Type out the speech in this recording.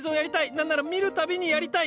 なんなら見る度にやりたい。